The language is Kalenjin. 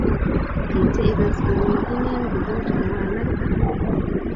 kiti igas kobunu inen koboch kowo Amerika?